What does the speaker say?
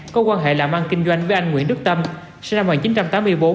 có quan hệ làm ăn kinh doanh với anh nguyễn đức tâm sinh năm một nghìn chín trăm tám mươi bốn